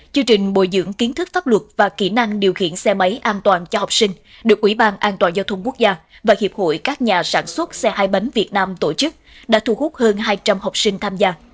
chương trình bồi dưỡng kiến thức pháp luật và kỹ năng điều khiển xe máy an toàn cho học sinh được ủy ban an toàn giao thông quốc gia và hiệp hội các nhà sản xuất xe hai bánh việt nam tổ chức đã thu hút hơn hai trăm linh học sinh tham gia